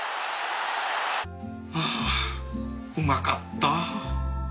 はぁうまかった。